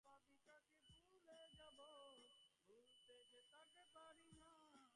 এরপর, তোমাকে আমাদের মাঝে ফিরে আসতে হবে।